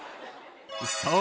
そう。